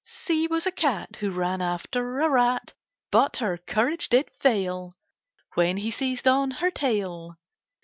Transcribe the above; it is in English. C was a cat who ran after a rat, But her courage did fail When he seized on her tail.